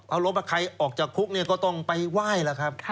เอารถใครออกจากคุกเนี่ยก็ต้องไปไหว้แล้วครับ